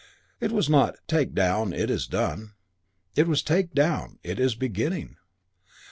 It was not "Take down. It is done." It was "Take down. It is beginning."